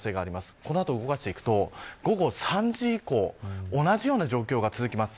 この後、動かしていくと午後３時以降同じような状況が続きます。